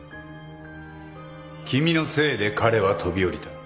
君のせいで彼は飛び降りた。